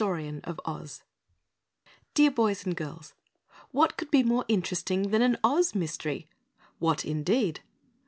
Dear Boys and Girls: _What could be more interesting than an Oz mystery? What, indeed?